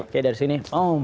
oke dari sini